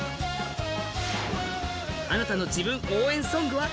あなたの自分応援ソングは？